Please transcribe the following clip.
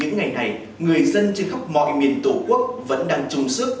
những ngày này người dân trên khắp mọi miền tổ quốc vẫn đang chung sức